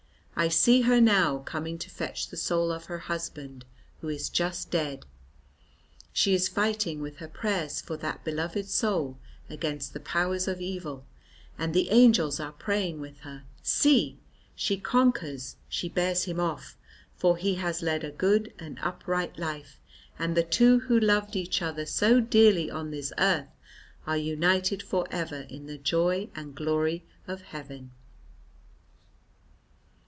I see her now coming to fetch the soul of her husband who is just dead. She is fighting with her prayers for that beloved soul against the powers of evil, and the angels are praying with her. See! she conquers, she bears him off, for he has led a good and upright life, and the two who loved each other so dearly on this earth are united for ever in the joy and glory of heaven."